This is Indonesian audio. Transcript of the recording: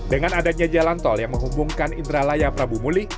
dengan adanya jalan tol yang menghubungkan indralaya prabu muli